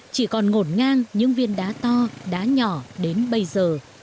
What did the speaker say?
chỉ còn ngổn ngang những viên đá to đá nhỏ đến bây giờ